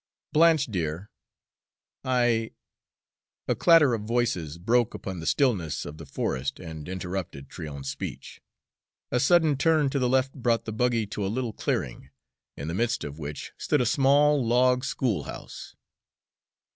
"Blanche, dear, I" A clatter of voices broke upon the stillness of the forest and interrupted Tryon's speech. A sudden turn to the left brought the buggy to a little clearing, in the midst of which stood a small log schoolhouse.